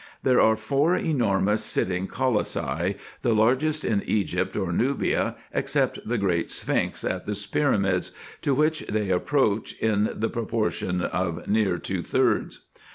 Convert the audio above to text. There are four enormous sitting colossi, the largest in Egypt or Nubia, except the great Sphinx at the pyramids, to which they approach in the pro portion of near two thirds.